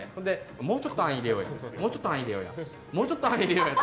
もうちょっと、あん入れようともうちょっとあん入れようよって。